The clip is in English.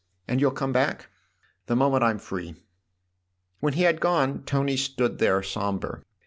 And you'll come back ?" "The moment I'm free." When he had gone Tony stood there sombre.